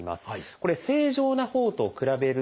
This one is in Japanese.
これ正常なほうと比べるとですね